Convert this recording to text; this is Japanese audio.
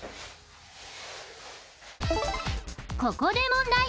ここで問題